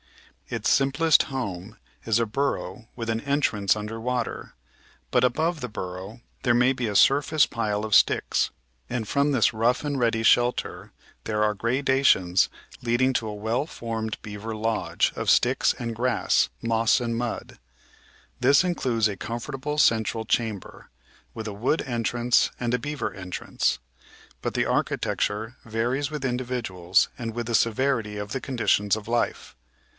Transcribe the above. Its simplest home is a burrow with an entrance under water, but above the burrow there may be a surface pile of sticks, and from this rough and ready shelter there are gradations lead ing to a well formed "beaver lodge" of sticks and grass, moss and mud. This includes a comfortable central chamber, with a "wood entrance" and a "beaver entrance." But the architecture varies with individuals and with the severity of the conditions of life.